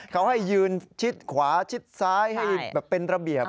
เขาให้ยืนชิดขวาชิดซ้ายให้แบบเป็นระเบียบ